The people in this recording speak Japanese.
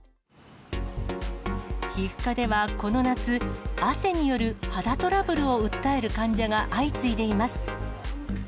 皮膚科ではこの夏、汗による肌トラブルを訴える患者が相次いでいます。